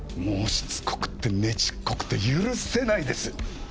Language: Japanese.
もうしつこくてねちっこくて許せないです。